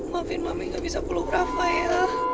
maafin mami gak bisa peluk rafa ya